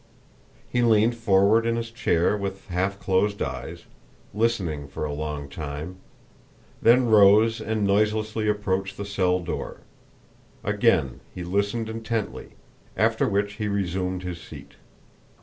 He leaned forward in his chair with half closed eyes, listening for a long time, then rose and noiselessly approached the cell door. Again he listened intently, after which he resumed his seat.